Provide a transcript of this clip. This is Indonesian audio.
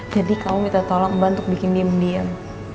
jadi kamu minta tolong mbak untuk bikin diem diem